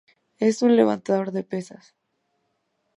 Es un levantador de pesas.